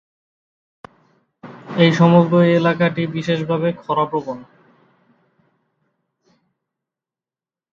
এই সমগ্র এলাকাটি বিশেষভাবে খরা প্রবণ।